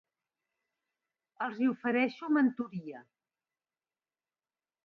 Els hi ofereixo mentoria.